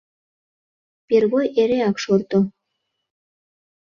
Первой эреак шорто.